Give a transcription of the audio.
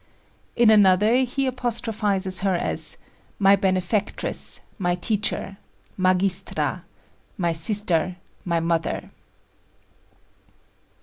In another he apostrophizes her as "My benefactress, my teacher, magistra my sister, my mother."